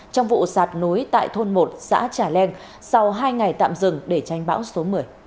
trong vụ sạt núi tại thôn một xã trà leng sau hai ngày tạm dừng để tranh bão số một mươi